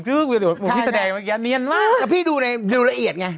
หนูดูเลยคลิก